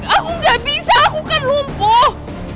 aku gak bisa aku kan lumpuh